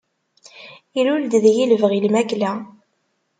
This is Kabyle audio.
Illul-d deg-i lebɣi i lmakla.